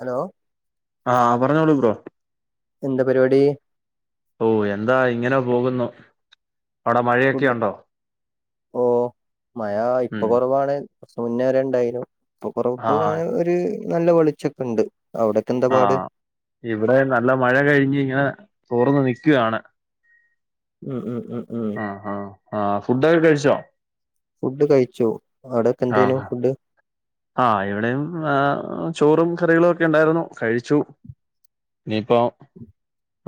Hello ആഹ് പറഞ്ഞോളു bro എന്താ പരിപാടി ഓഹ് എന്താ ഇങ്ങനെ പോകുന്നു അവിടെ മഴയൊക്കെ ഉണ്ടോ ഓഹ് മയ ഇപ്പൊ ഉം കൊറവാണ് കുറച്ച് മുന്നേ വരെണ്ടായിനു ഇപ്പൊ കുറവ് ഇപ്പ ആഹ് മയ ഒരു നല്ല വെളിച്ചൊക്കെണ്ട് അവിടെ ആഹ് ഇവിടെ നല്ല മഴ കഴിഞ്ഞ് ഇങ്ങനെ തോർന്ന് നിക്കുവാണ് ഉം ഉം ഉം ഉം ആഹ് ആഹ് ആഹ് ഫുഡൊക്കെ കഴിച്ചോ ഫുഡ് കഴിച്ചു അവിടേപ്പ എന്തേനു ആഹ് ഫുഡ് ആഹ് ഇവിടെയും ചോറും കറികളും ഒക്കെ ഉണ്ടായിരുന്നു കഴിച്ചു ഇനിയിപ്പോ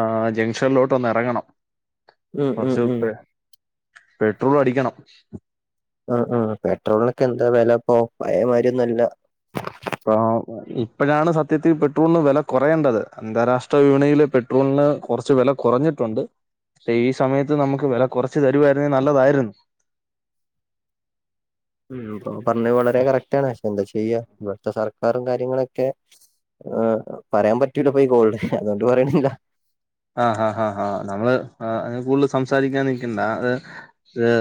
ആ ജംഗ്ഷനിലോട്ട് ഒന്ന് ഇറങ്ങണം ഉം ഉം കുറച്ച് ഉം പേ പെട്രോൾ അടിക്കണം ആഹ് ആഹ് പെട്രോളിനൊക്കെ എന്താ വില ഇപ്പ പയെ മായ്രിയൊന്നല്ല പ്പാ [unintelligible] ഇപ്പോഴാണ് സത്യത്തിൽ പെട്രോളിന് വില കുറയേണ്ടത് അന്താരാഷ്ട്ര വിപണിൽ പെട്രോളിന് കുറച്ച് വില കുറഞ്ഞിട് ണ്ട് ഈ സമയത്ത് നമുക്ക് വില കുറച്ച് തരുവായിരുന്നെ നല്ലതായിരുന്നു ഉം ഇപ്പോ പറഞ്ഞത് വളരെ കറക്റ്റാണ് പക്ഷെ എന്താ ചെയ്യാ ഇവിത്തെ സർക്കാറും കാര്യങ്ങളൊക്കെ ആഹാ പറയാം പറ്റൂലപ്പൊ ഈ കോൾള് അതോണ്ട് പറിണില്ല്യ ആഹ് ഹാ ഹാ ഹാ നമ്മള് കൂട്‌ല് സംസാരിക്കാ നിക്കണ്ട അത് എഹേ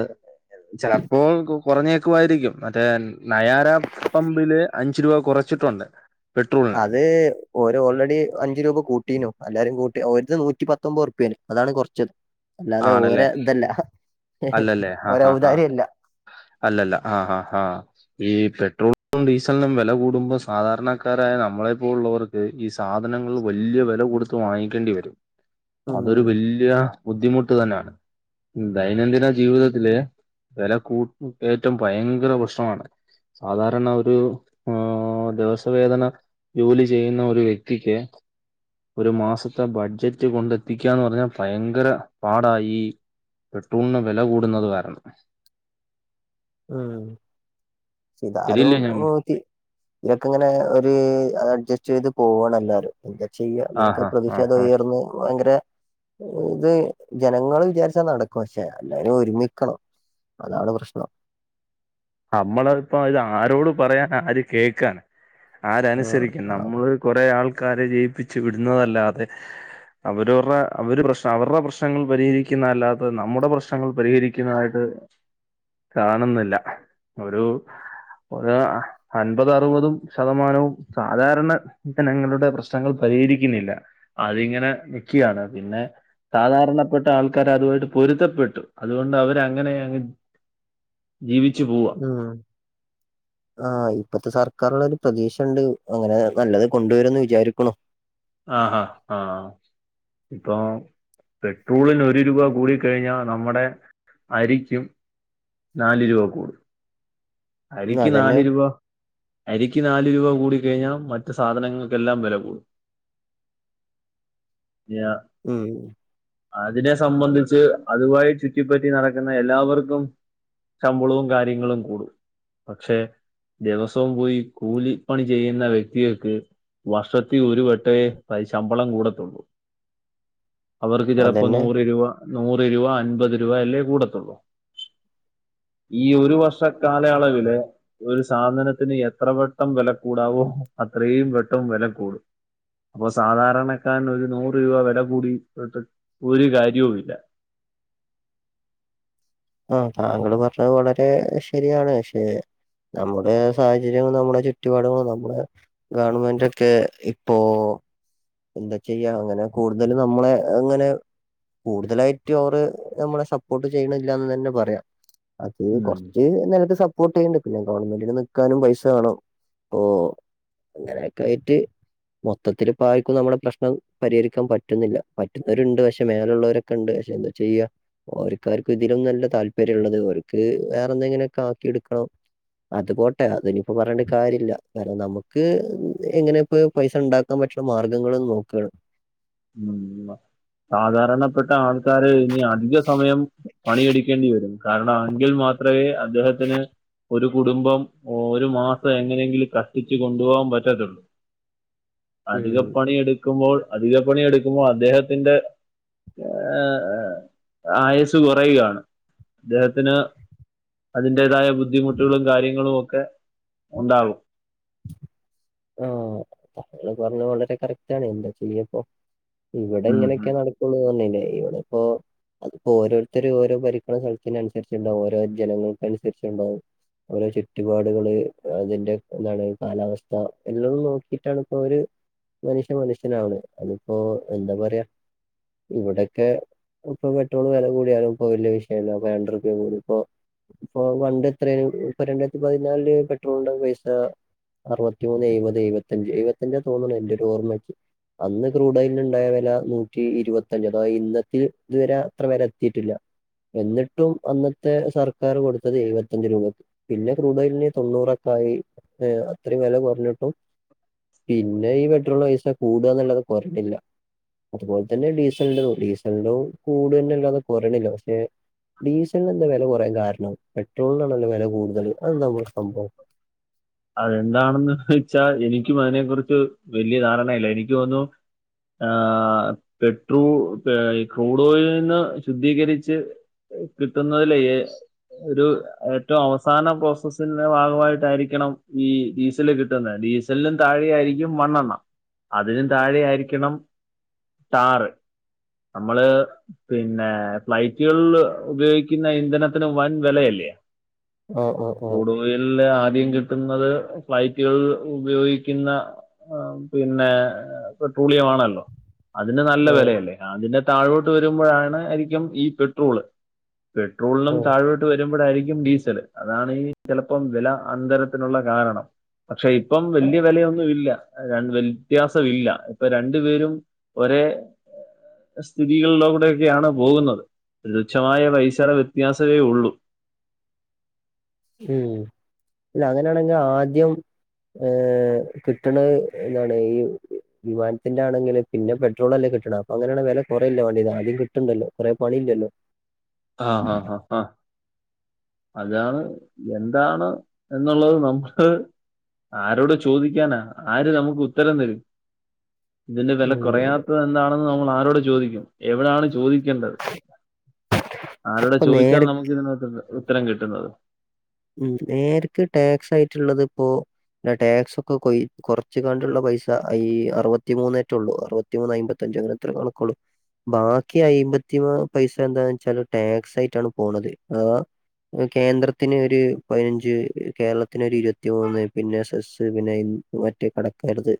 ചെലപ്പോ കൊറഞ്ഞേക്കുവായിരിക്കും മറ്റേ നയാര പമ്പില് അഞ്ചു രൂപ കൊറച്ചിട്ടുണ്ട് അത് ഓര് ഓൾറെഡി അഞ്ചു രൂപ കൂട്ടീനു എല്ലാരും കൂട്ടി ഓര്തെ നൂറ്റി പത്തൊമ്പൊറുപ്പ്യനി അതാണ് കൊറച്ചത് അല്ലാതെ ഓരെ ആണല്ലേ ഇതല്ല അല്ലല്ലേ ആഹ് ആഹ് ആഹ് ഓരൗദാര്യല്ല അല്ലല്ല ആഹ് ആഹ് ആഹ് ഈ പെട്രോളിനും ഡീസലിനും വെല കൂടുമ്പോ സാധാരണക്കാരായ നമ്മളെ പോലുള്ളവർക്ക് ഈ സാധനങ്ങള് വല്ല്യ വെല കൊടുത്ത് വാങ്ങിക്കേണ്ടി വെരും അതൊരു ഉം വെല്യ ബുദ്ധിമുട്ട് തന്നാണ് ദൈനംദിന ജീവിതത്തിലെ വെല കൂ കേറ്റം ഭയങ്കര പ്രശ്നമാണ് സാധാരണ ഒരു ആ ദിവസവേദന ജോലി ചെയ്യുന്ന ഒരു വ്യക്തിക്ക് ഒരു മാസത്തെ ബഡ്ജറ്റ് കൊണ്ടെത്തികാന്ന് പറഞ്ഞ ഭയങ്കര പാടാ ഈ പെട്രോളിന് വെല കൂടുന്നത് കാരണം ഉം ഇതാരോ ശരിയല്ലേ ഞാൻ പറഞ്ഞെ? [unintelligible] ഇതൊക്കെങ്ങനെ ഒരു അഡ്ജസ്റ്റെയ്ത് പോവാണെല്ലാരും എന്താ ചെയ്യ ഇതിനൊക്കെ ആഹാ ആഹാ പ്രതിഷേധൊയർന്ന് ഭയങ്കര ഇത് ജനങ്ങള് വിചാരിച്ചാ നടക്കും പക്ഷെ എല്ലാരും ഒരുമിക്കണം അതാണ് പ്രശ്നം അമ്മള് ഇപ്പൊ ഇതാരോട് പറയാനാ ആര് കേക്കാൻ ആരെനുസരിക്കുന്നു ആഹ് ഞമ്മള് കൊറേ ആൾക്കാരെ ജയിപ്പിച്ച് വിടുന്നതല്ലാതെ അവരവര്ടെ അവര് പ്രശ്ന അവര്ടെ പ്രശ്നങ്ങൾ പരിഹരിക്കുന്നല്ലാതെ നമ്മുടെ പ്രശ്നങ്ങൾ പരിഹരിക്കുന്നതായിട്ട് കാണുന്നില്ല ഒരു ഒരു അൻപതറുപതും ശതമാനവും സാധാരണ ജനങ്ങളുടെ പ്രശ്നങ്ങൾ പരിഹരിക്കുന്നില്ല അതിങ്ങനെ നിക്യാണ് പിന്നെ സാധാരണപ്പെട്ട ആൾക്കാര് അതുവായിട്ട് പൊരുത്തപ്പെട്ടു അതുകൊണ്ട് അവരങ്ങനെയങ്ങ് ജീ വിച്ചു പോവാ ഉം ആഹ് ഇപ്പത്തെ സർക്കാർലൊരു പ്രതീക്ഷണ്ട് അങ്ങനെ നല്ലത് കൊണ്ടുവെരുന്ന് വിചാരിക്ക്‌ണു ആഹഹാ് ആഹ് ഇപ്പൊ പെട്രൂളിന് ഒരു രൂപ കൂടി കഴിഞ്ഞാ നമ്മടെ അരിക്കും നാല് രൂപ കൂടും ഉം, അരിക്ക് നാല് അതന്നെ രൂപ അരിക്ക് നാല് രൂപ കൂടി കഴിഞ്ഞാ മറ്റ് സാധനങ്ങൾക്കെല്ലാം വെലകൂടും യാ ഉം അതിനെ സംബന്ധിച്ച് അതുവായി ചുറ്റിപ്പറ്റി നടക്കുന്ന എല്ലാവർക്കും ശമ്പളവും കാര്യങ്ങളും കൂടും പക്ഷെ ദെവസവും പോയി കൂലിപ്പണി ചെയ്യുന്ന വ്യക്തികൾക്ക് വർശെത്തി ഒരു വട്ടവെ ശമ്പളം കൂടത്തൊള്ളൂ അവർക്ക് ചെലപ്പോ അതന്നെ. നൂറ് രൂപ നൂറ് രൂവ അൻപത് രൂവ അല്ലേ കൂടത്തൊള്ളൂ ഈ ഒരു വർഷക്കാല യാളവിലെ ഒരു സാധനത്തിന് എത്ര വെട്ടം വെല കൂടാവോ അത്രയും വെട്ടവും വെല കൂടും അപ്പൊ സാധാരണക്കാരന് ഒരു നൂറ് രൂപ വെല കൂടിയിട്ട് ഒരു കാര്യൊവില്ല ആഹ താങ്കള് പറഞ്ഞത് വളരെ ശെരിയാണ് പക്ഷേ നമ്മുടെ സാഹചര്യവും നമ്മുടെ ചുറ്റുപാടുകളും നമ്മുടെ ഗവൺമെന്റൊക്കെ ഇപ്പോ എന്താ ചെയ്യാ അങ്ങനെ കൂടുതല് നമ്മളെ അങ്ങനെ കൂടുതലായിട്ടും അവര് നമ്മളെ സപ്പോർട്ട് ചെയ്യണില്ലന്ന് തന്നെ പറയാം അത് ഉം. കൊറച്ച് നരത്തെ സപ്പോട്ട് ചെയ്യണ്ട് പിന്നെ ഗവൺമെന്റിന് നിക്കാനും പൈസ വേണം ഓ അങ്ങനെയൊക്കെ ആയിട്ട് മൊത്തത്തില് പോ നമുക്ക് നമ്മുടെ പ്രശ്നം പരിഹരിക്കാൻ പറ്റുന്നില്ല പറ്റുന്നവരുണ്ട് പക്ഷെ മേലുള്ളവരൊക്കെ ഉണ്ട് പക്ഷെ എന്താ ചെയ്യാ ഓര്ക്കാർക്കും ഇതിലും അല്ല താല്പര്യം ഉള്ളത് അവര്ക്ക് വേറെന്തെങ്ങനെയൊക്കെ ആക്കി എടുക്കണം അത് പോട്ടെ അതിനിയിപ്പോ പറഞ്ഞിട്ട് കാര്യമില്ല കാരണം നമുക്ക് എങ്ങനെ ഇപ്പ പൈസ ഉണ്ടാക്ക ൻറ്റുള്ള മാർഗങ്ങളൾന്ന് നോക്കുകയാണ് ഉ സാധാരണപ്പെട്ട ആൾ ആൾക്കാര് ഇനി അധിക സമയം പണിയെടിക്കേണ്ടി വരുന്നു കാരണം എങ്കിൽ മാത്രമേ അദ്ദേഹത്തിന് ഒരു കുടുംബം ഒരു മാസം എങ്ങനെങ്കിലും കഷ്ടിച്ച് കൊണ്ടുപോകാൻ പറ്റത്തുള്ളൂ ഉം അധികപ്പണി എടുക്കുമ്പോൾ അധിക പണി എടുക്കുമ്പോൾ അദ്ദേഹത്തിന്റെ ഏ ആയസ്സ് കുറയുകയാണ് അദ്ദേഹത്തിന് അതിന്റേതായ ബുദ്ധിമുട്ടുകളും കാര്യങ്ങളു ഒക്കെ ഉണ്ടാവും ആഹ താങ്കള് പറഞ്ഞത് വളരെ കറക്റ്റ് ആണ് എന്താ ചെയ്യപ്പോ ഇവിടെ ഉം, ഉം. ഇങ്ങനെയൊക്കെയ നടക്കുള്ളൂന്ന് പറഞ്ഞല്ലേ ഇവിടെ ഇപ്പോ അത്പ്പോ ഓരോരുത്തർ ഓരോ പരിക്കണ സ്ഥലത്തിന് അനുസരിച്ചുണ്ടാവും ഓരോ ജനങ്ങൾക്ക അനുസരിച്ചുണ്ടാവും ഓരോ ചുറ്റുപാടുകള് അതിന്റെ എന്താണ് കാലാവസ്ഥ അപ്പ എല്ലതും നോക്കിയിട്ടാണ് ഇപ്പൊ അവര് മനുഷ്യ മനുഷ്യനാണ് അതിപ്പോ എന്താ പറയാ ഇവിടെക്കെ ഇപ്പൊ പെട്രോൾ വില കൂടിയാലും ഇപ്പോ വല്യ വിഷയല്ലോ അപ്പൊ രണ്ടുർപ്യ കൂടി ഇപ്പോ ഇപ്പൊ പണ്ട് എത്രയ ഇപ്പ രണ്ടായിരത്തി പതിനാലില് പെട്രോളിൻ്റെ പൈസ അറുപത്തിമൂന്ന് എഴുപത് എഴപത്തഞ്ച് എഴപത്തഞ്ച് തോന്നുന്നു എന്റെറെ ഒരു ഓർമ്മക്ക് അന്ന് ക്രൂഡോയില ഉണ്ടായ വില നൂറ്റി ഇരുപത്തഞ്ച് അതോ ഇന്നത്തി ഇതുവരെ അത്ര വില എത്തിയിട്ടില്ല എന്നിട്ടും അന്നത്തെ സർക്കാർ കൊടുത്തത് എഴുപത്തഞ്ച് രൂപയ്ക്ക് പിന്നെ ക്രൂഡലിന് തൊണ്ണൂറൊക്കെ ആയി ഏ അത്രയും വില കുറഞ്ഞിട്ടും പിന്നെ ഈ പെട്രോളിന് പൈസ കൂടുകന്നല്ലാതെ കൊറിണില്ല അതുപോലെ തന്നെ ഡീസലിന്റെതും ഡീസലിന്റെോ കൂടു തന്നെല്ലതെ കുറണില്ല പക്ഷെ ഡീസലിന് എന്ത വില കുറയാൻ കാരണം പെട്രോളിനാണല്ലോ വില കൂടുതൽ അതന്താ നമ്മക്ക് സംഭവം അതെന്താണെന്ന് വെച്ചാ എനിക്കും അതിനെ കുുറിച്ച് വലിയ ധാരണയില്ല എനിക്ക് തോന്നുന്നു ആ പെട്രോൾ ക്രൂഡ് ഓയിൽ നിന്ന് ശുദ്ധീകരിച്ച് കിട്ടുന്നതിലേ എ ഒരു ഏറ്റവും അവസാന പ്രോസസിന്റെ ഭാഗമായിട്ടായിരിക്കണം ഈ ഡീസല് കിട്ടുന്ന് ഡീസലിനും താഴെയായിരിക്കും മണ്ണെണ്ണ അതിനും താഴെയായിരിക്കണം ടാറ് നമ്മള് പിന്നെ ബൈക്കുകളില് ഉപയോഗിക്കുന്ന ഇന്ധനത്തിന് വൻ വെലയല്ലേ അ അ ആഹ് [unintelligible] ആദ്യം കിട്ടുന്നത് ഫ്ലൈറ്റുകളിൽ ഉപയോഗിക്കുന്ന പിന്നെ പെട്രോളിയം ആണല്ലോ അതിന്ന് നല്ല ഓ വെലയല്ലേ അതിന്റെ താഴോട്ട് വരുമ്പൊഴാണ് ആരിക്കും ഈ പെട്രോള് പെട്രോളിനും ഓ താഴോട്ട് വരുമ്പഴായിരിക്കും ഡീസല്. അതാണ് ഈ ചിലപ്പം വെല അന്തര ത്തിനുള്ള കാരണം. പക്ഷെ ഇപ്പം ആ, വല്യ വെലയൊന്നും ഇല്ല രണ്ട് വ്യത്യാസം ഇല്ല. ഇപ്പൊ രണ്ടു പേരും ഒരേ സ്ഥിതികളിലൂടെ ഒക്കെയാണ് പോകുന്നത്. തുച്ഛമായ പൈസടെ വ്യത്യാസവേ ഉള്ളൂ ഉം അല്ല അങ്ങനെയാണെങ്കി ആദ്യം ഏഹ് കിട്ട്ണഹ് ന്താണ് ഈ വിമാനത്തിന്റെ ആണെങ്കില് പിന്നെ പെട്രോളല്ലെ കിട്ട്ണ് അപ്പൊ അങ്ങനെയാണെ വെല കുറയല്ലേ വാണ്ടിയത്. ആദ്യം കിട്ട്ണ്ടല്ലോ കൊറെ പണിയില്ലല്ലോ ആഹ് ആഹ് ആഹ് ആഹ് അതാണ് എന്താണ് എന്നുള്ളത് നമുക്ക് ആരോട് ചോദിക്കാനാ ആര് നമുക്ക് ഉത്തരം തരും ഇതിന്റെ വെല ഉം കൊറയാത്തത് എന്താണെന്ന് നമ്മൾ ആരോട് ചോദിക്കും എവിടാണ് ചോദിക്കേണ്ടത് ആരോട് ഇപ്പൊ ചോയ്ച്ചാൽ നേരെ നമുക്ക് ഇതിനുള്ള ഉത്തരം കിട്ടുന്നത് ഉം നേരക്ക് ടാക്സ് ആയിട്ടുള്ളത് ഇപ്പോ ടാക്സ് ഒക്കെ കൊയി കൊറ കൊറച്ച്ങ്ങാണ്ട്ള്ള പൈസ അയ് അറുപത്തിമൂന്നേറ്റൊള്ളൂ അറുവത്തിമൂന്ന് അയ്മ്പത്തഞ്ച് അങ്ങനെത്ര കണക്കുള്ളൂ ബാക്കി അയിമ്പത്തി പൈസ എന്താന്ന് വെച്ചാല് ടാക്സ് ആയിട്ടാണ് പോണത് ആഹ് കേന്ദ്രത്തിന് ഒരു പയിനഞ്ച് കേരളത്തിന് ഒരു ഇരുവത്തി മൂന്ന് പിന്നെ സെസ് പിന്നെ-മറ്റേ കടക്കാരത്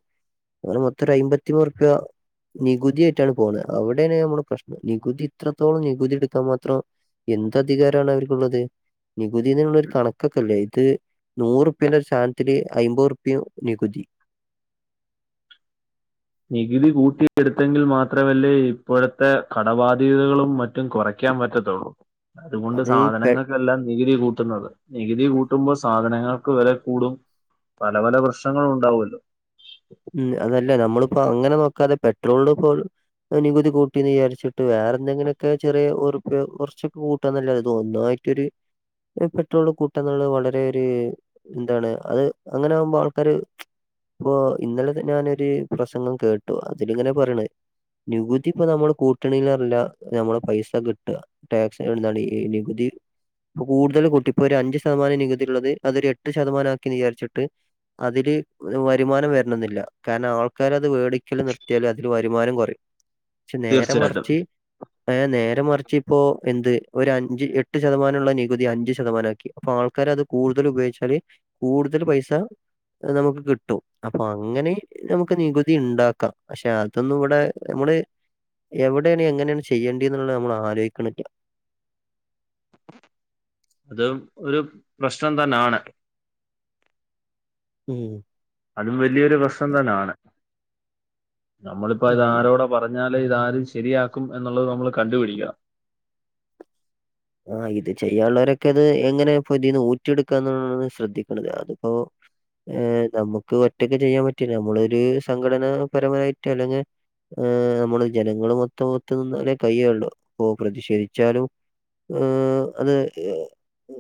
അങ്ങനെ മൊത്തം ഒരു അയ്മ്പത്തിമൂന്നൂറുപ്യ നികുതിയായിട്ടാണ് പോണ്. അവിടെണ് നമ്മുടെ പ്രശ്നം നികുതി ഇത്രത്തോളം നികുതി എടുക്കാം മാത്രം എന്ത് അധികാരാണ് അവർക്കുള്ളത് നികുതിന്ന്ള്ളൊരു കണക്കൊക്കെല്ലേ ഇത് നൂറുപ്പ്യന്റെ ഒരു സാനത്തില് അയ്മ്പത് ഉർപ്യം നികുതി നികുതി കൂട്ടിയെടുത്തെങ്കിൽ മാത്രമല്ലേ ഇപ്പോഴത്തെ കടബാധ്യതകളും മറ്റ് മറ്റും കൊറക്കാൻ പറ്റത്തുള്ളൂ അതുകൊണ്ട് അത് പെ സാധനങ്ങൾ ക്കെല്ലാം നികുതി കൂട്ടുന്നത് നികുതി കൂട്ടുമ്പോ സാധനങ്ങൾക്ക് വെല കൂടും പല പല പ്രശ്നങ്ങളും ഉണ്ടാവോല്ലോ ഉം അതല്ല നമ്മള്പ്പോ അങ്ങനെ നോക്കാതെ പെട്രോളിലിപ്പോ നികതി കൂട്ടിന്ന് വിചാരിച്ചിട്ട് വേറെ എന്തെങ്കിലൊക്കെ ചെറിയ ഒറുപ്യോ കൊറച്ച് കൂട്ടാന്നല്ലാതെ ഇത് ഒന്നായി റ്റൊരു ഈ പെട്രോള് കൂട്ടാ ന്നുള്ള വളരെ ഒരു എന്താണ് അത് അങ്ങനെ ആകുമ്പോ ആൾക്കാര് ഇപ്പൊ ഇന്നലെ ഞാനൊരു പ്രസംഗം കേട്ടു അതിലിങ്ങനെ പറീണ് നികുതി ഇപ്പൊ നമ്മള് കൂട്ടണീലേറെല്ല നമ്മളെ പൈസ കിട്ട ടാക്സ് എന്താണ് ഈ നികുതി ഇപ്പൊ കൂടുതൽ കൂട്ടി. ഇപ്പൊ ഒരു അഞ്ച് ശതമാനം നികുതിള്ളത് അതൊരു എട്ട് ശതമാനമാക്കീന്ന് വിചാരിച്ചിട്ട് അതില് വരുമാനം വ വരണംന്നില്ല. കാരണം ആൾക്കാര് അത് വേടിക്കല് നിർത്തിയാല് അതില് വരുമാനം കൊറിം പക്ഷെ നേരെ തീർച്ചയായിട്ടും മറിച്ച് നേരെ മറിച്ച് ഇപ്പോ എന്ത് ഒരു അഞ്ച് എട്ട് ശതമാനള്ള നികുതി അഞ്ച് ശതമാനാക്കി അപ്പൊ ആൾക്കാര് അത് കൂടുതൽ ഉപയോഗിച്ചാല് കൂടുതൽ പൈസ അത് നമുക്ക് കിട്ടും അപ്പൊ അങ്ങനെ നമുക്ക് നികുതി ഇണ്ടാക്കാം പക്ഷെ അതൊന്നും ഇവിടെ നമ്മൾ എവിടെണ് എങ്ങനെണ് ചെയ്യണ്ടിന്ന്ള്ള നമ്മൾ ആലോയ്ക്ക്ണില്ല അത് ഒരു പ്രശ്നം തന്നാണ് ഉം അതും വലിയൊരു പ്രശ്നം തന്നാണ് നമ്മളിപ്പോ ഇത് ഉം. ആാരോട പറഞ്ഞാലേ ഇതാരും ശരിയാക്കും എന്നുള്ളത് നമ്മൾ കണ്ടുപിടിക്കണം ആഹ് ഇത് ചെയ്യാള്ളൊരൊക്കെ ഇത് എങ്ങനെ ഇപ്പ ഇതീന്ന് ഊറ്റിയെടുക്കാ എന്നാണ് ശ്രദ്ധിക്കണത് അതിപ്പോ ഏർ നമുക്ക് ഒറ്റക്ക് ചെയ്യാൻ പറ്റില്ല നമ്മളൊരു സംഘടനാപരമായിട്ട് അല്ലെങ്കിൽ ആഹ് നമ്മള് ജനങ്ങൾ മൊത്തം ഒത്ത് നിന്നാല്ലെ കഴിയെള്ളു പ്പൊ പ്രതിഷേധിച്ചാലും ഉം അതെ ഏഹ്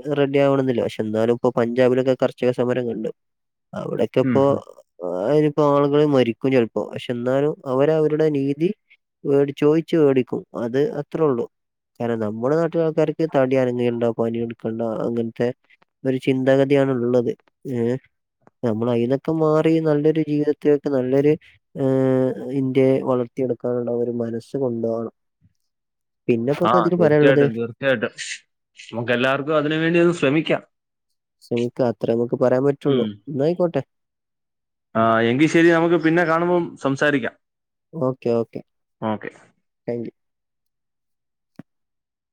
വടെ റെഡിയവണെന്നില്ല പക്ഷെ എന്നാലും ഇപ്പൊ പഞ്ചാബിലൊക്കെ കർച്ചക സമരം കണ്ട് ഉം അവിടെക്കിപ്പോ ഉം. ആയിരിപ്പോ ആളുകൾ മരിക്കും ചെലപ്പോ പക്ഷെ എന്നാലും അവര അവരുടെ നീതി വെടി ചോയിച്ച് മേടിക്കും അത് അത്രേ ഉള്ളൂ കാരണം നമ്മുടെ നാട്ടി മറ്റ് ആൾക്കാർക്ക് തടി അനങ്ങേണ്ട പണി എടുക്കണ്ട അങ്ങനത്തെ ഒരു ചിന്താഗതിയാണ്ള്ളത് ഏഹ് നമ്മൾ അയീനൊക്കെ മാറി നല്ലൊരു ജീവിതത്തിലെക്ക് നല്ലൊരു ഏഹ് ഇന്ത്യയെ വളർത്തിയെടുക്കാനുള്ള ഒരു മനസ്സ് കൊണ്ടൊപണം പിന്നെ ഫെന്താ തില് പറയാള്ളത് ചയായിട്ടും നമുക്ക് എല്ലാർക്കും അതിന് വേണ്ടി ഒന്ന് ശ്രമിക്കാം ശ്രമിക്കാ, അത്രേ നമുക്ക് പറയാൻ പറ്റുള്ളൂ. ഉം. എന്നായിക്കോട്ടെ. ആ എങ്കിൽ ശരി നമുക്ക് പിന്നെ കാണുമ്പം സംസാരിക്കാം. Okay okay okay thank you.